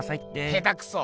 下手くそ！